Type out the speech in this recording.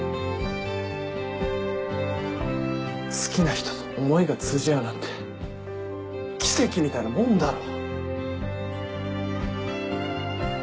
好きな人と思いが通じ合うなんて奇跡みたいなもんだろ。